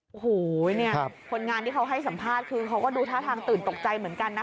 โอ้โหเนี่ยคนงานที่เขาให้สัมภาษณ์คือเขาก็ดูท่าทางตื่นตกใจเหมือนกันนะคะ